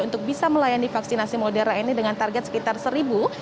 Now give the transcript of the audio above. untuk bisa melayani vaksinasi modern ini dengan target sekitar seribu